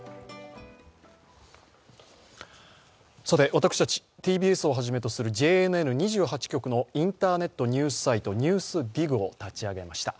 私たちＴＢＳをはじめとするＪＮＮ２８局のインターネットニュースサイト「ＮＥＷＳＤＩＧ」を立ち上げました。